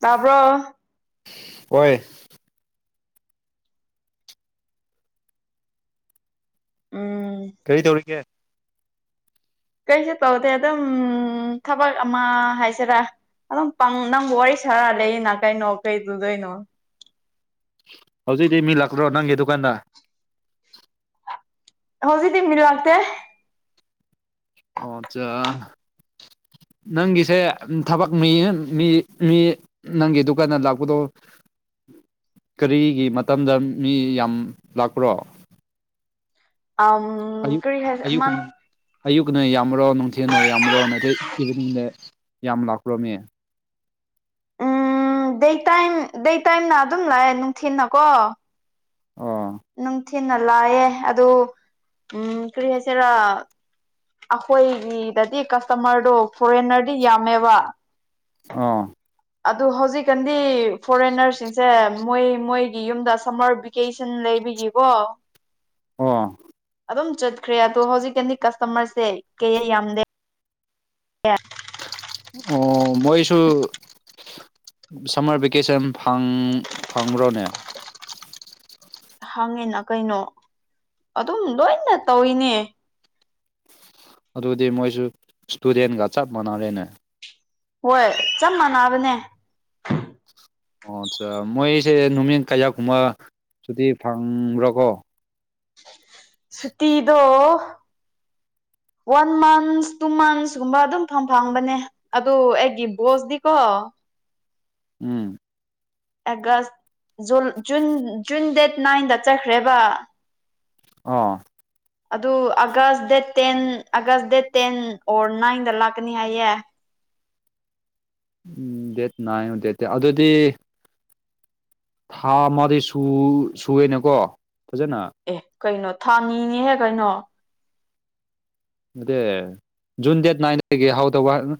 ꯇꯕꯔꯣ ꯑꯣꯏ ꯎꯝ ꯀꯔꯤ ꯇꯧꯔꯤꯒꯦ ꯀꯩꯁꯨ ꯇꯧꯗꯦ ꯑꯗꯨꯝ ꯊꯕꯛ ꯑꯃ ꯍꯥꯏꯁꯤꯔꯥ ꯑꯗꯨꯝ ꯅꯪ ꯋꯥꯔꯤ ꯁꯥꯔ ꯂꯩꯔꯤꯅ ꯀꯩꯅꯣ ꯀꯩꯗꯨꯗꯣꯏꯅꯣ ꯍꯧꯖꯤꯛꯇꯤ ꯃꯤ ꯂꯥꯛꯄ꯭ꯔꯣ ꯅꯪꯒꯤ ꯗꯨꯀꯥꯟꯗ ꯍꯧꯖꯤꯗꯤ ꯃꯤ ꯂꯛꯇꯦ ꯑꯣ ꯑꯆꯥ ꯅꯪꯒꯤꯁꯦ ꯊꯕꯛ ꯃꯤꯌꯦꯡ ꯃꯤ ꯃꯤ ꯅꯪꯒꯤ ꯗꯨꯀꯥꯟ ꯂꯥꯛꯄꯗꯣ ꯀꯔꯤꯒꯤ ꯃꯇꯝꯗ ꯃꯤ ꯌꯥꯝ ꯂꯥꯛꯄ꯭ꯔꯣ ꯑꯝ ꯑꯌꯨꯛ ꯀꯔꯤ ꯍꯥꯏꯁꯤ ꯃꯝ ꯑꯌꯨꯛꯅ ꯑꯌꯨꯛꯅ ꯌꯥꯝꯃꯔꯣ ꯅꯨꯡꯊꯤꯅ ꯌꯥꯝꯃꯔꯣ ꯅꯇꯩ ꯏꯚꯤꯅꯤꯡꯗ ꯌꯥꯝ ꯂꯥꯛꯄ꯭ꯔꯣ ꯃꯤ ꯎꯝ ꯗꯦ ꯇꯥꯏꯝ ꯗꯦ ꯇꯥꯏꯝꯅ ꯑꯗꯨꯝ ꯂꯥꯛꯑꯦ ꯅꯨꯡꯊꯤꯟꯅꯀꯣ ꯑꯣ ꯅꯨꯡꯊꯤꯅ ꯂꯥꯛꯑꯦ ꯑꯗꯣ ꯎꯝ ꯀꯔꯤ ꯍꯥꯏꯁꯤꯔꯥ ꯑꯩꯈꯣꯏꯒꯤꯗꯗꯤ ꯀꯁꯇꯃꯔꯗꯣ ꯐꯣꯔꯦꯟꯅꯔꯗꯤ ꯌꯥꯝꯃꯦꯕ ꯑꯥ ꯑꯗꯨ ꯍꯧꯖꯤꯛꯀꯥꯟꯗꯤ ꯐꯣꯔꯦꯟꯅꯔꯁꯤꯡꯁꯦ ꯃꯣꯏ ꯃꯣꯏꯒꯤ ꯌꯨꯝꯗ ꯁꯝꯃꯔ ꯚꯦꯀꯦꯁꯟ ꯂꯩꯕꯒꯤꯀꯣ ꯑꯣ ꯑꯗꯨꯝ ꯆꯠꯈ꯭ꯔꯦ ꯑꯗꯣ ꯍꯧꯖꯤꯛꯀꯥꯟꯗꯤ ꯀꯁꯇꯃꯔꯁꯦ ꯀꯌꯥ ꯌꯥꯝꯗꯦ ꯌꯦ ꯑꯣ ꯃꯣꯏꯁꯨ ꯁꯝꯃꯔ ꯚꯦꯀꯦꯁꯟ ꯐꯪ ꯐꯪꯕ꯭ꯔꯣꯅꯦ ꯐꯪꯉꯤꯅ ꯀꯩꯅꯣ ꯑꯗꯨꯝ ꯂꯣꯏꯅ ꯇꯧꯏꯅꯦ ꯑꯗꯨꯗꯤ ꯃꯣꯏꯁꯨ ꯏꯁꯇꯨꯗꯦꯟꯒ ꯆꯞ ꯃꯥꯟꯅꯔꯦꯅꯦ ꯍꯣꯏ ꯆꯞ ꯃꯥꯟꯅꯕꯅꯦ ꯑꯣ ꯑꯠꯆꯥ ꯃꯣꯏꯁꯦ ꯅꯨꯃꯤꯠ ꯀꯌꯥ ꯀꯨꯝꯕ ꯁꯨꯇꯤ ꯐꯪꯕ꯭ꯔꯥ ꯀꯣ ꯁꯨꯇꯤꯗꯣ ꯋꯥꯟ ꯃꯟꯁ ꯇꯨ ꯃꯟꯁ ꯀꯨꯝꯕ ꯑꯗꯨꯝ ꯐꯪ ꯐꯪꯕꯅꯦ ꯑꯗꯣ ꯑꯩꯒꯤ ꯕꯣꯁꯗꯤꯀꯣ ꯎꯝ ꯑꯒꯁ ꯖꯨ ꯖꯨꯟ ꯖꯨꯟ ꯗꯦꯠ ꯅꯥꯏꯟꯗ ꯆꯠꯈ꯭ꯔꯦꯕ ꯑꯣ ꯑꯗꯨ August date ten August date ten or ꯅꯥꯏꯟꯗ ꯂꯥꯛꯀꯅꯤ ꯍꯥꯏꯌꯦ ꯎꯝ ꯗꯦꯠ ꯅꯥꯏꯟ ꯗꯦꯠ ꯇꯦꯟ ꯑꯗꯨꯗꯤ ꯊꯥ ꯑꯃꯗꯤ ꯁꯨ ꯁꯨꯌꯦꯅꯦꯀꯣ ꯐꯖꯅ ꯑꯦ ꯀꯩꯅꯣ ꯊꯥ ꯑꯅꯤꯅꯤꯍꯦ ꯀꯩꯅꯣ ꯌꯦ ꯖꯨꯟ ꯗꯦꯠ ꯅꯥꯏꯟꯗꯒꯤ ꯍꯧꯗꯧꯕ ꯑꯥ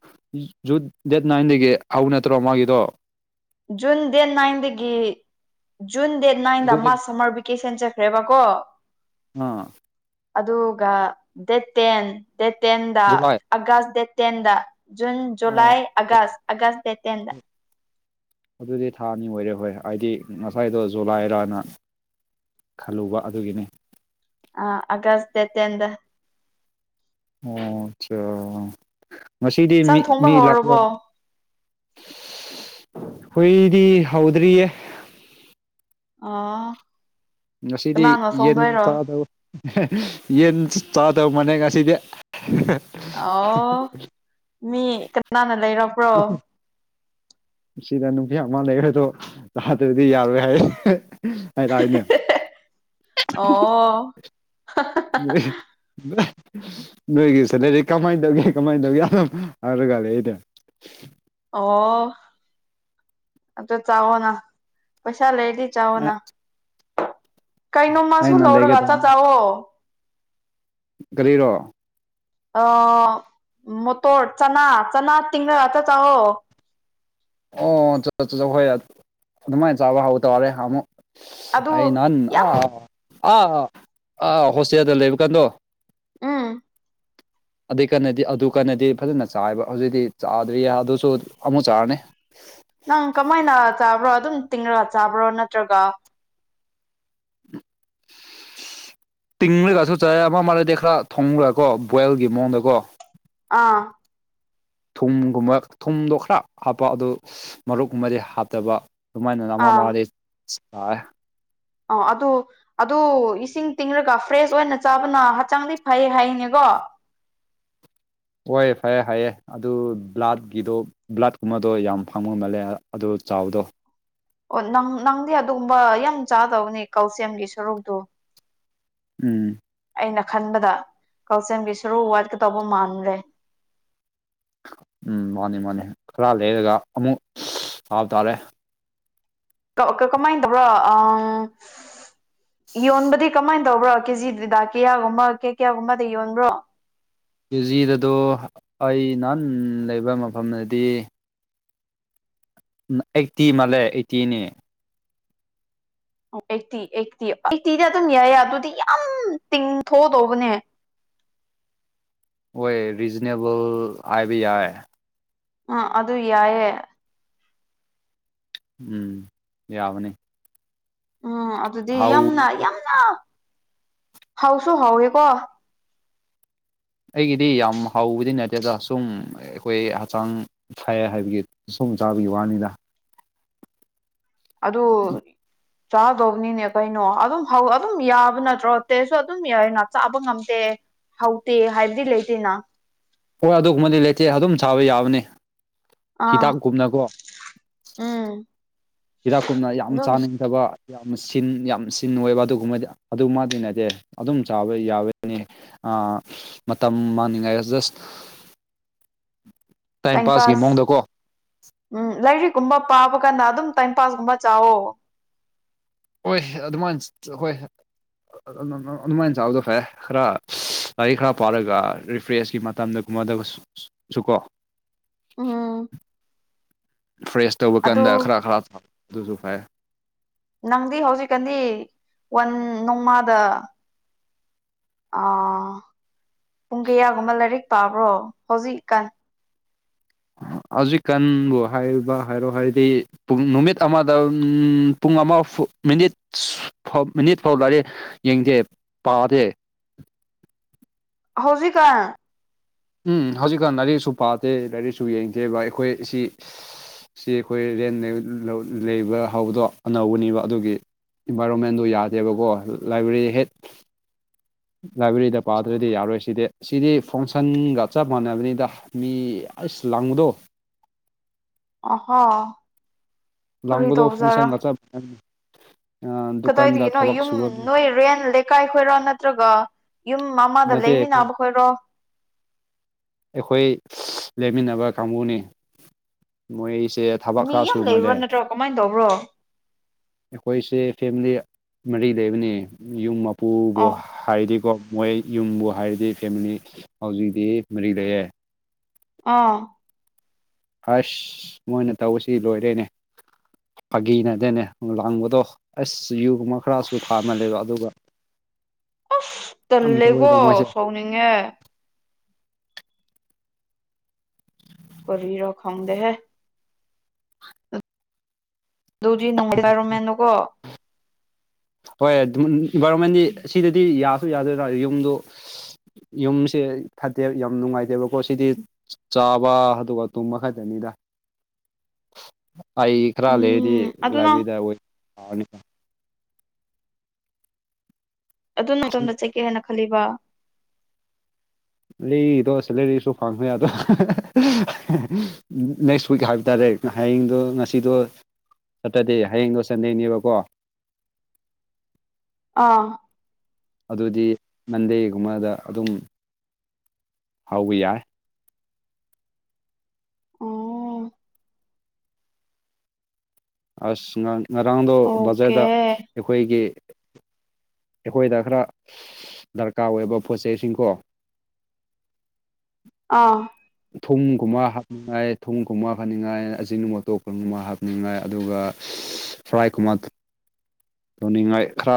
ꯖꯨꯟ ꯗꯦꯠ ꯅꯥꯏꯟꯗꯒꯤ ꯍꯧꯕ ꯅꯠꯇ꯭ꯔꯣ ꯃꯥꯒꯤꯗꯣ ꯖꯨꯟ ꯗꯦꯠ ꯅꯥꯏꯟꯗꯒꯤ ꯖꯨꯟ ꯗꯦꯠ ꯅꯥꯏꯟꯗ ꯃꯥ ꯑꯗꯨꯗꯒꯤ ꯁꯝꯃꯔ ꯕꯤ ꯀꯦꯁꯦꯟ ꯆꯠꯈ꯭ꯔꯦꯕꯀꯣ ꯑꯥ ꯑꯗꯨꯒ ꯗꯦꯠ ꯇꯦꯟ ꯗꯦꯠ ꯇꯦꯟꯗ ꯖꯨꯂꯥꯏ ꯑꯒ꯭ꯁ ꯗꯦꯠ ꯇꯦꯟꯗ ꯖꯨꯟ ꯑꯣ ꯖꯨꯂꯥꯏ ꯑꯥꯒꯁ ꯑꯒꯁ ꯗꯦꯠ ꯇꯦꯟꯗ ꯑꯗꯨꯗꯤ ꯊꯥ ꯑꯅꯤ ꯑꯣꯏꯔꯦ ꯍꯣꯏ ꯍꯥꯏꯗꯤ ꯉꯁꯥꯏꯗꯣ ꯖꯨꯂꯥꯏꯔꯅ ꯈꯜꯂꯨꯕ ꯑꯗꯨꯒꯤꯅꯤ ꯑꯥ ꯑꯒ꯭ꯁ ꯗꯦꯠ ꯇꯦꯟꯗ ꯑꯣ ꯑꯆꯥ ꯉꯁꯤꯗꯤ ꯆꯥꯛ ꯃꯤ ꯊꯣꯡꯕ ꯃꯤ ꯂꯥꯛꯄ꯭ꯔꯣ ꯍꯧꯔꯕꯣ ꯈꯣꯏꯗꯤ ꯍꯧꯗ꯭ꯔꯤꯌꯦ ꯑꯥ ꯉꯁꯤꯗꯤ ꯌꯦꯟ ꯆꯥꯗꯧ ꯑ ꯍꯦ ꯌꯦꯟ ꯆꯥꯗꯧꯕꯅꯦ ꯉꯁꯤꯗꯦ ꯑꯣ ꯃꯤ ꯀꯅꯥꯅ ꯂꯩꯔꯛꯄ꯭ꯔꯣ ꯁꯤꯗ ꯅꯨꯄꯤ ꯑꯃ ꯂꯩꯔꯦꯗꯣ ꯑꯗꯨꯗꯤ ꯌꯥꯔꯣꯏ ꯍꯥꯏꯗꯥꯏꯅꯦ ꯑꯣ ꯑꯍꯦꯑꯍꯦ [inaudible] ꯅꯣꯏꯒꯤ ꯁꯦꯂꯥꯔꯤ ꯀꯃꯥꯏꯅ ꯇꯧꯒꯦ ꯀꯃꯥꯏꯅ ꯇꯧꯒꯦ ꯍꯥꯢꯔꯒ ꯂꯩꯌꯦꯅꯦ ꯑꯣ ꯑꯗꯣ ꯆꯥꯋꯣꯅꯥ ꯄꯩꯁꯥ ꯂꯩꯔꯗꯤ ꯆꯑꯣꯅ ꯀꯩꯅꯣ ꯃꯥꯁꯨ ꯑꯩꯅ ꯂꯧꯔꯒ ꯆꯥꯛ ꯂꯩꯒꯗꯧꯅꯦ ꯆꯥꯋꯣ ꯀꯔꯤꯔꯣ ꯑ ꯃꯣꯇꯣꯔ ꯆꯅꯥ ꯆꯅꯥ ꯇꯤꯡꯔꯒ ꯆꯥꯛ ꯆꯥꯑꯣ ꯑꯣ ꯆꯠ ꯆꯠ ꯍꯣꯏ ꯑꯗꯨꯃꯥꯏ ꯆꯥꯕ ꯍꯧꯇꯥꯔꯦ ꯑꯃꯨꯛ ꯑꯩ ꯑꯗꯨ ꯅꯍꯥꯟ ꯌꯥꯝ ꯑ ꯑꯥ ꯑꯥ ꯍꯣꯁꯇꯦꯜꯗ ꯂꯩꯕ ꯀꯥꯟꯗꯣ ꯑꯥ ꯑꯗꯨꯏꯀꯥꯟꯗꯗꯤ ꯑꯗꯨꯀꯥꯟꯗꯗꯤ ꯐꯖꯅ ꯆꯥꯏꯕ ꯍꯧꯖꯤꯛꯇꯤ ꯆꯥꯗ꯭ꯔꯤ ꯑꯗꯨꯁꯨ ꯑꯃꯨꯛ ꯆꯥꯔꯅꯤ ꯅꯪ ꯀꯃꯥꯏꯅ ꯆꯥꯕ꯭ꯔꯣ ꯑꯗꯨꯝ ꯇꯤꯡꯔꯒ ꯆꯥꯕ꯭ꯔꯣ ꯅꯠꯇ꯭ꯔꯒ [inaudible] ꯇꯤꯡꯔꯒꯁꯨ ꯆꯥꯏ ꯑꯃ ꯑꯃ ꯂꯩꯗ ꯈꯔ ꯊꯣꯡꯔꯒꯀꯣ ꯕꯣꯏꯜꯒꯤ ꯃꯑꯣꯡꯗꯀꯣ ꯑꯥ ꯊꯨꯝꯒꯨꯝꯕ ꯊꯨꯝꯗꯣ ꯈꯔ ꯍꯥꯞꯄ ꯑꯗꯨ ꯃꯔꯨꯞꯀꯨꯝꯕꯗꯤ ꯍꯥꯞꯇꯕ ꯑꯗꯨꯨꯃꯥꯏꯅ ꯑꯃ ꯑꯥ ꯑꯃꯗꯤ ꯆꯥꯏ ꯑ ꯑꯗꯨ ꯑꯗꯨ ꯏꯁꯤꯡ ꯇꯤꯡꯔꯒ ꯐ꯭ꯔꯦꯁ ꯑꯣꯏꯅ ꯆꯥꯕꯅ ꯍꯛꯆꯥꯡꯗꯤ ꯐꯩ ꯍꯥꯏꯌꯦꯅꯦꯀꯣ ꯀꯣꯏꯌꯦ ꯐꯩꯌꯦ ꯍꯥꯏꯌꯦ ꯑꯗꯨ ꯕ꯭ꯂꯥꯠꯀꯤꯗꯣ ꯕ꯭ꯂꯠꯀꯨꯝꯕꯗꯣ ꯌꯥꯝ ꯐꯪꯕ ꯃꯜꯂꯦ ꯑꯗꯣ ꯆꯥꯎꯕꯗꯣ ꯑꯣ ꯅꯪ ꯅꯪꯗꯤ ꯑꯗꯨꯒꯨꯝꯕ ꯌꯥꯝ ꯆꯥꯗꯧꯕꯅꯤ ꯀꯧꯁꯦꯝꯒꯤ ꯁꯔꯨꯛꯇꯣ ꯎꯝ ꯑꯩꯅ ꯈꯟꯕꯗ ꯀꯜꯁꯦꯝꯒꯤ ꯁꯔꯨ ꯋꯥꯠꯀꯇꯧꯕ ꯃꯥꯟꯒ꯭ꯔꯦ ꯎꯝ ꯃꯥꯅꯤ ꯃꯥꯅꯤ ꯈꯔ ꯂꯩꯔꯒ ꯑꯃꯨꯛ ꯊꯥꯕ ꯇꯥꯔꯦ ꯀꯛ ꯑ ꯀꯃꯥꯏ ꯇꯧꯕ꯭ꯔꯣ ꯑꯪ ꯌꯣꯟꯕꯗꯤ ꯀꯃꯥꯏ ꯇꯧꯕ꯭ꯔꯣ ꯀꯦꯖꯤꯗꯨꯗ ꯀꯌꯥꯒꯨꯝꯕ ꯀꯩ ꯀꯌꯥꯒꯨꯝꯕꯗ ꯌꯣꯟꯕ꯭ꯔꯣ ꯀꯦꯖꯤꯗꯗꯣ ꯑꯩ ꯅꯍꯥꯟ ꯂꯩꯕ ꯃꯐꯝꯗꯗꯤ ꯑꯩꯠꯇꯤ ꯃꯥꯜꯂꯦ ꯑꯩꯠꯇꯤꯅꯤ ꯑꯣ ꯑꯩꯠꯇꯤ ꯑꯩꯠꯇꯤ ꯑꯩꯠꯇꯤꯗꯤ ꯑꯗꯨꯝ ꯌꯥꯏꯌꯦ ꯑꯗꯨꯗꯤ ꯌꯥꯝ ꯇꯤꯡꯊꯣꯛꯑꯗꯧꯕꯅꯤ ꯍꯣꯏ ꯔꯤꯖꯅꯦꯕꯜ ꯍꯥꯏꯕ ꯌꯥꯏ ꯑ ꯑꯗꯨ ꯌꯥꯏꯌꯦ ꯎꯝ ꯌꯥꯕꯅꯤ ꯎꯝ ꯑꯗꯨꯗꯤ ꯍꯥꯎ ꯌꯥꯝꯅ ꯌꯥꯝꯅ ꯍꯥꯎꯁꯨ ꯍꯥꯎꯋꯦꯀꯣ ꯑꯩꯒꯤꯗꯤ ꯌꯥꯝ ꯍꯥꯎꯕꯗꯤ ꯅꯠꯇꯦꯗ ꯁꯨꯝ ꯑꯩꯈꯣꯏ ꯍꯛꯆꯥꯡ ꯐꯩꯌꯦ ꯍꯥꯏꯕꯒꯤ ꯁꯨꯝ ꯆꯥꯕꯒꯤ ꯋꯥꯅꯤꯗ ꯑꯗꯣ ꯆꯥꯗꯧꯕꯅꯤꯅꯦ ꯀꯩꯅꯣ ꯑꯗꯨꯝ ꯍꯧ ꯑꯗꯨꯝ ꯌꯥꯕ ꯅꯠꯇ꯭ꯔꯣ ꯇꯦꯁꯁꯨ ꯑꯗꯨꯝ ꯌꯥꯏꯑꯦꯅ ꯆꯥꯕ ꯉꯝꯗꯦ ꯍꯥꯎꯇꯦ ꯍꯥꯏꯕꯗꯤ ꯂꯩꯇꯦꯅ ꯍꯣꯏ ꯑꯗꯨꯒꯨꯝꯕꯗꯤ ꯂꯩꯇꯦ ꯑꯗꯨꯝ ꯆꯥꯕ ꯌꯥꯕꯅꯤ ꯑ ꯍꯤꯗꯥꯛꯀꯨꯝꯅꯀꯣ ꯎꯝ ꯍꯤꯗꯥꯛꯀꯨꯝꯅ ꯌꯥꯝ ꯑꯗꯨꯝ ꯆꯥꯅꯤꯡꯗꯕ ꯌꯥꯝ ꯁꯤꯟ ꯌꯥꯝ ꯁꯤꯟ ꯑꯣꯏꯕ ꯑꯗꯨꯒꯨꯝꯕꯗꯤ ꯑꯗꯨꯝꯃꯗꯤ ꯅꯠꯇꯦ ꯑꯗꯨꯝ ꯆꯥꯕ ꯌꯥꯕꯅꯤ ꯑ ꯃꯇꯝ ꯃꯥꯡꯅꯤꯡꯉꯥꯏ ꯖꯁ [inaudible] ꯇꯥꯏꯝ ꯄꯥꯁꯀꯤ ꯄꯥꯁ ꯃꯑꯣꯡꯗꯀꯣ ꯎꯝ ꯂꯥꯏꯔꯤꯛ ꯀꯨꯝꯕ ꯄꯥꯕ ꯀꯥꯟꯗ ꯑꯗꯨꯝ ꯇꯥꯏꯝ ꯄꯥꯁꯀꯨꯝꯕ ꯆꯥꯎꯋꯣ ꯍꯣꯏ ꯑꯗꯨꯃꯥꯏ ꯍꯣꯏ [inaudible] ꯑꯗꯨꯃꯥꯏ ꯆꯥꯕꯗꯣ ꯐꯔꯦ ꯈꯔ ꯂꯥꯏꯔꯤꯛ ꯈꯔ ꯄꯥꯔꯒ ꯔꯤꯐ꯭ꯔꯦꯁꯀꯤ ꯃꯇꯝꯗꯒꯨꯝꯕꯗꯒꯁꯨ ꯁꯨꯀꯣ ꯎꯝ ꯐ꯭ꯔꯦꯁ ꯇꯧꯕ ꯑꯗꯨ ꯀꯥꯟꯗ ꯈꯔ ꯈꯔ ꯑꯗꯨꯁꯨ ꯐꯩ ꯅꯪꯗꯤ ꯍꯧꯖꯤꯛꯀꯥꯟꯗꯤ ꯋꯥꯟ ꯅꯣꯡꯃꯥꯗ ꯑ ꯄꯨꯡ ꯀꯌꯥꯒꯨꯝꯕ ꯂꯥꯏꯔꯤꯛ ꯄꯥꯕ꯭ꯔꯣ ꯍꯧꯖꯤꯛꯀꯥꯟ ꯍꯧꯖꯤꯛꯀꯥꯟꯕꯨ ꯍꯥꯏꯕ ꯍꯥꯏꯔꯣ ꯍꯥꯏꯗꯤ꯫ ꯄꯨꯡ ꯅꯨꯃꯤꯠ ꯑꯃꯗ ꯄꯨꯡ ꯑꯃ ꯃꯤꯅꯤꯠ ꯃꯤꯅꯤꯠ ꯐꯥꯎ ꯂꯌꯦ꯫ ꯌꯦꯡꯗꯦ ꯄꯥꯗꯦ꯫ ꯍꯧꯖꯤꯛ ꯀꯥꯟ꯫ ꯎꯝ ꯍꯧꯖꯤꯛꯀꯥꯟ ꯂꯥꯏꯔꯤꯛꯁꯨ ꯄꯥꯗꯦ ꯂꯥꯏꯔꯤꯛꯁꯨ ꯌꯦꯡꯗꯦꯕ ꯑꯩꯈꯣꯏ ꯑꯁꯤ ꯁꯤ ꯑꯩꯈꯣꯏ ꯔꯦꯟ ꯂꯩꯕ ꯍꯕꯗꯣ ꯑꯅꯧꯕꯅꯦꯕ ꯑꯗꯨꯒꯤ ꯏꯟꯚꯥꯏꯔꯣꯟꯃꯦꯟꯗꯨ ꯌꯥꯗꯦꯕꯀꯣ ꯂꯥꯏꯕ꯭ꯔꯦꯔꯤ ꯍꯦꯛ ꯂꯥꯏꯕ꯭ꯔꯦꯔꯤꯗ ꯄꯥꯗ꯭ꯔꯗꯤ ꯌꯥꯔꯣꯏ ꯁꯤꯗꯤ ꯁꯤꯗꯤ ꯐꯪꯁꯟꯒ ꯆꯞ ꯃꯥꯟꯅꯕꯅꯤꯗ꯫ ꯃꯤ ꯑꯁ ꯂꯥꯡꯕꯗꯣ꯫ ꯑꯣꯍꯣ꯫ ꯂꯥꯡꯕꯗꯣ ꯐꯪꯁꯟꯒ ꯆꯥꯞ ꯀꯗꯥꯏꯗꯒꯤꯅꯣ ꯌꯨꯝ ꯅꯣꯏ ꯔꯦꯟ ꯂꯩꯀꯥꯏ ꯈꯣꯏꯔ ꯅꯠꯇ꯭ꯔꯒ ꯌꯨꯝ ꯑꯃꯥꯗ ꯅꯠꯇꯦ ꯂꯩꯃꯤꯟꯅꯕ ꯈꯣꯏꯔꯣ꯫ ꯑꯩꯈꯣꯏ ꯂꯩꯃꯤꯟꯅꯕ ꯀꯥꯡꯕꯨꯅꯤ ꯃꯣꯏꯁꯦ ꯊꯕꯛ ꯃꯤ ꯈꯔ ꯌꯥꯝ ꯁꯨ ꯂꯩꯕ꯭ꯔꯣ ꯃꯥꯜꯂꯦ ꯅꯠꯇ꯭ꯔꯣ ꯀꯃꯥꯏꯅ ꯇꯧꯕ꯭ꯔꯣ꯫ ꯑꯩꯈꯣꯏꯁꯦ ꯐꯦꯃꯤꯂꯤ ꯃꯔꯤ ꯂꯩꯕꯅꯤ ꯌꯨꯝ ꯃꯄꯨꯕꯨ꯫ ꯑꯣ ꯍꯥꯏꯔꯗꯤꯀꯣ ꯃꯣꯏ ꯌꯨꯝꯕꯨ ꯍꯥꯏꯔꯗꯤ ꯐꯦꯃꯤꯂꯤ ꯍꯧꯖꯤꯛꯇꯤ ꯃꯔꯤꯛ ꯂꯩꯌꯦ꯫ ꯑꯥ꯫ ꯑꯁ ꯃꯣꯏꯅ ꯇꯧꯁꯤ ꯂꯣꯏꯔꯦꯅꯦ ꯐꯥꯒꯤꯅꯗꯅꯦ ꯂꯥꯡꯕꯗꯣ꯫ ꯑꯁ ꯌꯨꯒꯨꯝꯕ ꯈꯔꯁꯨ ꯊꯥꯛꯃꯥꯜꯂꯦꯕ ꯑꯗꯨꯒ ꯑꯁ ꯌꯥꯝ ꯇꯜꯂꯦꯀꯣ ꯇꯧꯋꯦꯕ ꯃꯣꯏꯁꯦ ꯁꯥꯎꯅꯤꯡꯉꯦ꯫ ꯀꯔꯤꯔ ꯈꯪꯗꯦꯍꯦ꯫ ꯑꯗꯨꯗꯤ ꯅꯨꯡꯉꯥꯏꯔꯝꯃꯣꯏ ꯏꯟꯚꯥꯏꯔꯣꯟꯃꯦꯟꯗꯨꯀꯣ꯫ ꯍꯣꯏ ꯏꯟꯚꯥꯏꯔꯣꯟꯃꯦꯟꯗꯤ ꯁꯤꯗꯗꯤ ꯌꯥꯁꯨ ꯌꯥꯗꯔꯦꯗ ꯌꯨꯝꯗꯨ ꯌꯨꯝꯁꯦ ꯐꯠꯇꯦ ꯌꯥꯝ ꯅꯨꯡꯉꯥꯏꯇꯦꯕꯀꯣ ꯁꯤꯗꯤ꯫ ꯆꯥꯕ ꯑꯗꯨꯒ ꯇꯨꯝꯕ ꯈꯛꯇꯅꯤꯗ꯫ [inaudible] ꯑꯩ ꯈꯔ ꯂꯩꯔꯗꯤ ꯎꯝ ꯑꯗꯨ ꯅꯪ ꯂꯥꯏꯕ꯭ꯔꯦꯔꯤꯗ ꯑꯣꯏꯅ ꯄꯥꯔꯥꯅꯤ꯫ ꯑꯗꯨ ꯅꯥꯇꯣꯝꯗ ꯆꯠꯀꯦ ꯍꯥꯏꯅ ꯈꯜꯂꯤꯕ꯫ ꯂꯤꯔꯤꯗꯣ ꯁꯦꯂꯔꯔꯤꯁꯨ ꯐꯪꯈꯔꯦ ꯑꯗꯨ꯫ [unintelligible] ꯅꯦꯛꯁ ꯋꯤꯛ ꯍꯥꯏꯕ ꯇꯥꯔꯦ ꯍꯌꯦꯡꯗꯣ ꯉꯁꯤꯗꯣ꯫ ꯅꯇꯥꯗꯤ ꯍꯌꯦꯡꯗꯣ ꯁꯟꯗꯦꯅꯦꯕꯀꯣ꯫ ꯑꯥ꯫ ꯑꯗꯨꯗꯤ ꯃꯥꯟꯗꯦꯒꯨꯝꯕꯗ ꯑꯗꯨꯝ ꯍꯧꯕ ꯌꯥꯏ꯫ ꯑꯣ꯫ ꯑꯁ ꯉꯥꯡ ꯉꯔꯥꯡꯗꯣ ꯑꯣꯀꯦ ꯕꯖꯥꯔꯗ ꯑꯩꯈꯣꯏꯒꯤ꯫ ꯑꯩꯈꯣꯏꯗ ꯈꯔ ꯗꯔꯀꯥꯔ ꯑꯣꯏꯕ ꯄꯣꯠ ꯆꯩꯁꯤꯡꯀꯣ꯫ ꯑꯥ꯫ ꯊꯨꯝꯒꯨꯝꯕ ꯍꯥꯞꯅꯤꯡꯉꯥꯏ ꯊꯨꯝꯒꯨꯝꯕ ꯍꯥꯅꯤꯡꯉꯥꯏ ꯑꯁꯤꯒꯤ ꯅꯨꯡꯇꯣꯛꯄꯒꯨꯝꯕ ꯍꯥꯞꯅꯤꯡꯉꯥꯏ ꯑꯗꯨꯒ ꯐꯔꯥꯏ ꯀꯨꯝꯕ ꯇꯨꯅꯤꯡꯉꯥꯏ ꯈꯔ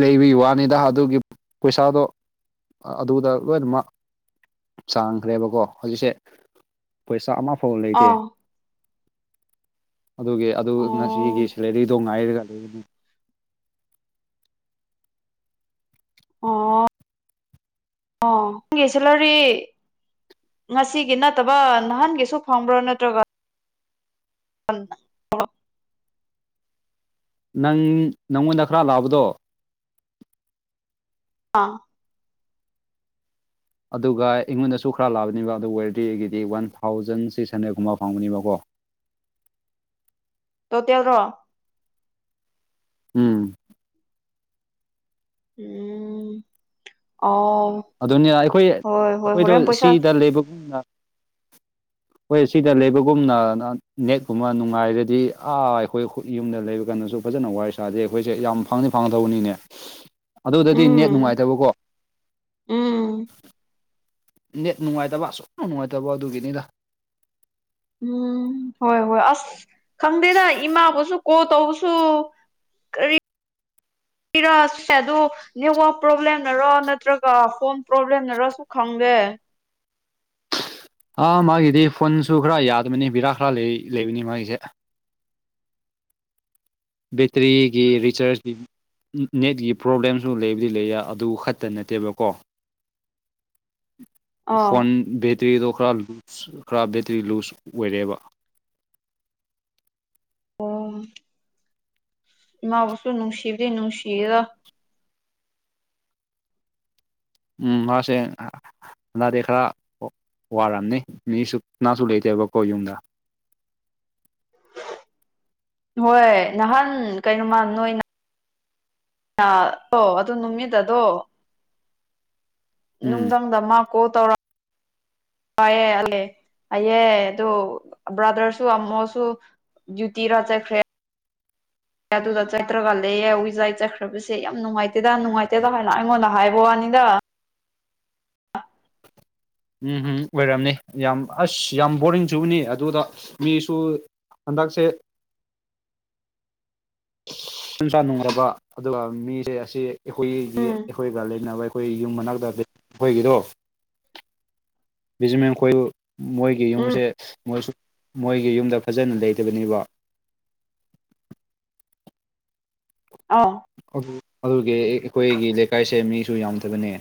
ꯂꯩꯕ ꯋꯥꯅꯤꯗ ꯑꯗꯨꯒꯤ ꯄꯩꯁꯥꯗꯣ꯫ ꯑꯗꯨꯗ ꯂꯣꯏꯅꯃꯛ ꯆꯥꯡꯈ꯭ꯔꯦꯕꯀꯣ ꯍꯧꯖꯤꯛꯁꯦ꯫ ꯄꯩꯁꯥ ꯑꯃꯐꯥꯎꯕ ꯑꯥ ꯂꯩꯇꯦ꯫ ꯑꯣ ꯑꯗꯨꯒꯤ ꯑꯗꯨ ꯉꯁꯤꯒꯤ ꯁꯦꯂꯔꯤꯗꯣ ꯉꯥꯏꯔꯒ ꯑꯣ ꯑꯣ ꯅꯪꯒꯤ ꯁꯦꯂꯔꯔꯤ꯫ ꯉꯁꯤꯒꯤ ꯅꯠꯇꯕ ꯅꯍꯥꯟꯒꯤꯁꯨ ꯐꯪꯕ꯭ꯔꯣ ꯅꯠꯇ꯭ꯔꯒ [inaudible] ꯅꯪ ꯅꯪꯉꯣꯟꯗ ꯈꯔ ꯂꯥꯛꯑꯕꯗꯣ꯫ ꯑꯥ꯫ ꯑꯗꯨꯒ ꯑꯩꯉꯣꯟꯗꯁꯨ ꯈꯔ ꯂꯥꯛꯕꯅꯦꯕ ꯑꯗꯨ ꯋꯦꯔꯗꯤꯒꯤꯗꯤ ꯋꯥꯟ ꯊꯥꯎꯖꯟ ꯁꯤꯛꯁ ꯍꯟꯗ꯭ꯔꯦꯗꯀꯨꯝꯕ ꯐꯪꯕꯅꯦꯕꯀꯣ꯫ ꯇꯣꯇꯦꯜ ꯔꯣ ꯎꯝ ꯎꯝ ꯑ ꯑꯗꯨꯅꯤ ꯑꯩꯈꯣꯏ ꯑꯩꯈꯣꯏꯗꯣ ꯁꯤꯗ ꯂꯩꯕꯒꯨꯝꯅ [inaudible] ꯍꯣꯏ ꯁꯤꯗ ꯂꯩꯕꯒꯨꯝꯅ ꯅꯦꯠꯀꯨꯝꯕ ꯅꯨꯡꯉꯥꯏꯔꯗꯤ ꯑꯥ ꯑꯩꯈꯣꯏ ꯌꯨꯝꯗ ꯂꯩꯕ ꯀꯥꯟꯗꯁꯨ ꯐꯖꯅ ꯋꯥꯔꯤ ꯁꯥꯗꯦ ꯑꯩꯈꯣꯏꯁꯦ ꯌꯥꯝ ꯐꯪꯗꯤ ꯐꯪꯒꯕꯅꯤꯅꯦ [inaudible] ꯑꯗꯨꯗꯗꯤ ꯅꯦꯠ ꯎꯝ ꯅꯨꯡꯉꯥꯏꯇꯕꯀꯣ ꯎꯝ ꯅꯦꯠ ꯅꯨꯡꯉꯥꯏꯇꯕ ꯑꯁꯨꯝꯅ ꯅꯨꯡꯉꯥꯏꯇꯕ ꯑꯗꯨꯒꯤꯅꯤꯗ ꯎꯝ ꯍꯣꯏ ꯍꯣꯏ ꯑꯁ ꯈꯪꯗꯦꯗ ꯏꯃꯥꯕꯨꯁꯨ ꯀꯣꯟ ꯇꯧꯕꯁꯨ ꯀꯔꯤ ꯒꯤꯔ ꯅꯦꯠꯋꯛ ꯄ꯭ꯔꯣꯕ꯭ꯂꯦꯝꯅꯔ ꯅꯠꯇ꯭ꯔꯒ ꯐꯣꯟ ꯄ꯭ꯔꯣꯕ꯭ꯂꯦꯝꯅꯔꯁꯨ ꯈꯪꯗꯦ ꯑꯥ ꯃꯥꯒꯤꯗꯤ ꯐꯣꯟꯁꯨ ꯈꯔ ꯌꯥꯗꯕꯅꯤ ꯕꯤꯔꯥ ꯈꯔ ꯂꯩꯕꯅꯤ ꯃꯥꯒꯤꯁꯦ ꯕꯦꯇ꯭ꯔꯤꯒꯤ ꯔꯤꯆꯥꯔꯖꯒꯤ ꯅꯦꯠꯀꯤ ꯄ꯭ꯔꯣꯕ꯭ꯂꯦꯝꯁꯨ ꯂꯩꯕꯨꯗꯤ ꯂꯩꯌꯦ ꯑꯗꯨ ꯈꯛꯇ ꯅꯠꯇꯦꯕꯀꯣ [inaudible] ꯐꯣꯟ ꯕꯦꯇ꯭ꯔꯤꯗꯣ ꯈꯔ ꯂꯨꯁ ꯈꯔ ꯕꯦꯇ꯭ꯔꯤ ꯂꯨꯁ ꯑꯣꯏꯔꯦꯕ ꯑꯣ ꯏꯃꯥꯕꯨꯁꯨ ꯅꯨꯡꯁꯤꯕꯗꯤ ꯅꯨꯡꯁꯤꯗ ꯎꯝ ꯃꯥꯁꯦ ꯅꯗꯤ ꯈꯔ ꯋꯥꯔꯝꯅꯤ ꯃꯤꯁꯨꯅꯥꯁꯨ ꯂꯩꯇꯦꯕꯀꯣ ꯌꯨꯝꯗ ꯍꯣꯏ ꯅꯍꯥꯟ ꯀꯩꯅꯣꯃ ꯅꯣꯏꯅ ꯑꯣ ꯑꯗꯨ ꯅꯨꯃꯤꯠ ꯑꯗꯣ ꯎꯝ ꯅꯨꯡꯊꯪꯗ ꯀꯣꯟ ꯇꯧꯔ ꯋꯥꯑꯦ ꯑꯂꯦ ꯑꯩꯌꯦ ꯑꯗꯨ ꯕ꯭ꯔꯥꯗꯔꯁꯨ ꯑꯝꯃꯣꯁꯨ ꯗꯤꯌꯨꯇꯤꯔ ꯆꯠꯈ꯭ꯔꯦ ꯑꯗꯨꯗ ꯆꯥꯠꯇ꯭ꯔꯒ ꯂꯩꯑꯦ ꯎꯋꯏꯖꯥꯏ ꯆꯠꯈ꯭ꯔꯕꯁꯦ ꯌꯥꯝ ꯅꯨꯡꯉꯥꯏꯇꯦꯗ ꯅꯨꯡꯉꯥꯏꯇꯦꯗ ꯍꯥꯏꯅ ꯑꯩꯉꯣꯟꯗ ꯍꯥꯏꯕ ꯋꯥꯅꯤꯗ ꯎꯝ ꯑꯣꯏꯔꯝꯅꯤ ꯌꯥꯝ ꯑꯁ ꯌꯥꯝ ꯕꯣꯔꯤꯡꯁꯨꯅꯤ ꯑꯗꯨꯗ ꯃꯤꯁꯨ ꯍꯟꯗꯛꯁꯦ ꯁꯅꯨꯡꯁꯥ ꯅꯨꯡꯉꯔꯕ ꯑꯗꯨꯒ ꯃꯤꯁꯦ ꯑꯁꯤ ꯑꯩꯈꯣꯏꯒꯤ ꯎꯝ ꯑꯩꯈꯣꯏꯒ ꯂꯩꯅꯕ ꯑꯩꯈꯣꯏ ꯌꯨꯝ ꯃꯅꯥꯛꯇ ꯑꯩꯈꯣꯏꯒꯤꯗꯣ ꯕꯤꯖꯤꯃꯦꯟ ꯑꯩꯈꯣꯏ ꯃꯣꯏꯒꯤ ꯎꯝ ꯌꯨꯝꯁꯦ ꯃꯣꯏꯁꯨ ꯃꯣꯏꯒꯤ ꯌꯨꯝꯗ ꯐꯖꯅ ꯂꯩꯇꯕꯅꯦꯕ ꯑꯥꯎ ꯑꯗꯨ ꯑꯗꯨꯒꯤ ꯑꯩꯈꯣꯏꯒꯤ ꯂꯩꯀꯥꯏꯁꯦ ꯃꯤꯁꯨ ꯌꯥꯝꯗꯕꯅꯦ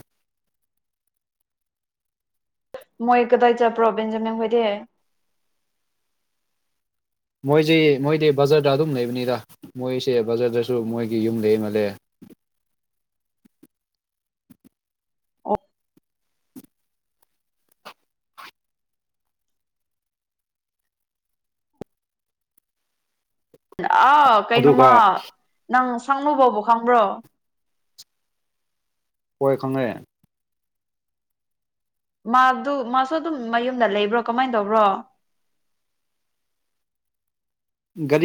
ꯃꯣꯏ ꯀꯗꯥꯏ ꯆꯠꯄ꯭ꯔ ꯕꯟꯖꯃꯟ ꯈꯣꯢꯗꯤ ꯃꯣꯏꯁꯤ ꯃꯣꯏꯗꯤ ꯕꯖꯔꯗ ꯑꯗꯨꯝ ꯂꯩꯕꯅꯤꯗ ꯃꯣꯏꯁꯦ ꯕꯖꯥꯔꯗꯁꯨ ꯃꯣꯏꯒꯤ ꯌꯨꯝ ꯂꯩꯃꯜꯂꯦ ꯑꯣ ꯑꯥ ꯑꯗꯨꯒ ꯀꯩꯅꯣꯃ ꯅꯪ ꯁꯪꯅꯨ ꯐꯥꯎꯕ ꯈꯪꯕ꯭ꯔꯣ ꯍꯣꯏ ꯈꯪꯉꯦ ꯃꯥꯗꯨ ꯃꯥꯁꯨ ꯑꯗꯨꯝ ꯃꯌꯨꯝꯗ ꯂꯩꯕ꯭ꯔꯣ ꯀꯃꯥꯏꯅ ꯇꯧꯕ꯭ꯔꯣ ꯒꯔꯤ